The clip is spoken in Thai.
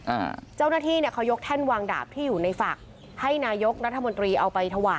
อ่าเจ้าหน้าที่เนี่ยเขายกแท่นวางดาบที่อยู่ในฝั่งให้นายกนาธรรมดรอไวน์